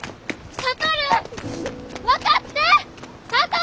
智！